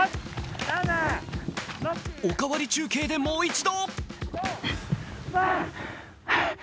「おかわり中継」でもう一度。